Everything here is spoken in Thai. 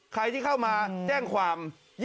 ใครที่เข้ามาแจ้งความ